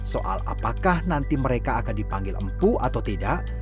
soal apakah nanti mereka akan dipanggil empu atau tidak